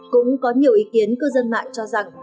cũng có nhiều ý kiến cư dân mạng cho rằng